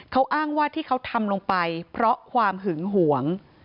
เขาอ้างว่าที่เขาทำลงไปเพราะความหึงหวง